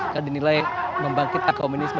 kan dinilai membangkitkan komunisme